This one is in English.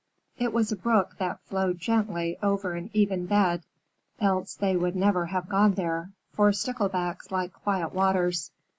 It was a brook that flowed gently over an even bed, else they would never have gone there, for Sticklebacks like quiet waters.